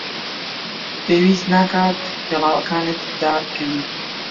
پێویست ناکات پێڵاوەکانت دابکەنی.